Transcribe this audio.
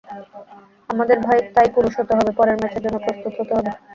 আমাদের তাই পুরুষ হতে হবে, পরের ম্যাচের জন্য প্রস্তুত হতে হবে।